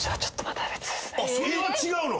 それは違うの？